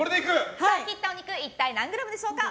切ったお肉は一体何グラムでしょうか。